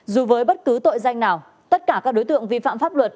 dù với bất cứ tội danh nào tất cả các đối tượng vi phạm pháp luật